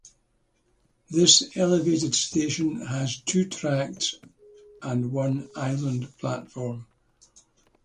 This elevated station has two tracks and one island platform.